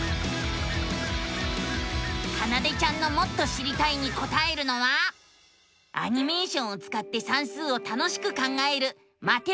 かなでちゃんのもっと知りたいにこたえるのはアニメーションをつかって算数を楽しく考える「マテマティカ２」。